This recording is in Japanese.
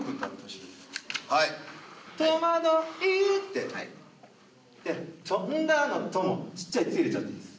戸惑い「飛んだ」の「と」も小っちゃい「つ」入れちゃっていいです。